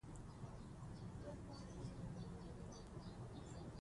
ښوونځی ماشومانو ته خوندي چاپېریال برابروي